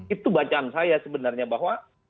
itu bacaan saya sebenarnya bahwa